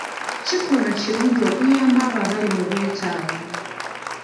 Kikolwa kirungi okuyamba abo abali mu bwetaavu.